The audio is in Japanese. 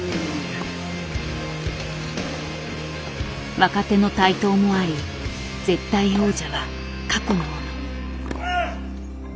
若手の台頭もあり絶対王者は過去のもの。